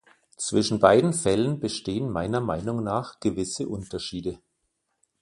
Zwischen beiden Fällen bestehen meiner Meinung nach gewisse Unterschiede.